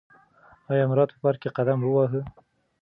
ایا مراد په پار ک کې قدم وواهه؟